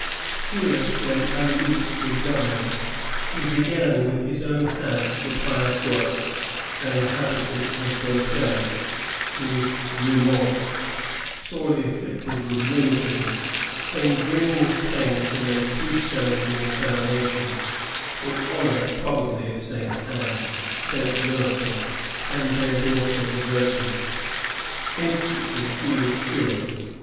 Here, when Ailleboust was governor, he began with his own hands the pious work, and a habitant of Beaupr^, Louis Guimont, sorely afflicted with rheumatism, came grinning with pain to lay three stones in the foundation, in honor probably of Saint Anne, Saint Joachim, and their daughter the Virgin. Instantly he was cured.